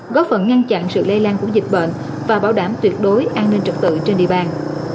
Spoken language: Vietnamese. góp phần ngăn chặn sự lây lan của dịch bệnh và bảo đảm tuyệt đối an ninh trật tự trên địa bàn